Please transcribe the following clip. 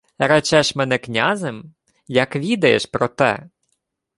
— Речеш мене князем? Як відаєш про те?